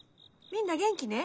みんな元気ね？